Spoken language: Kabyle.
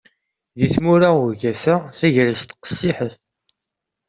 Deg tmura n ugafa, tagrest qessiḥet.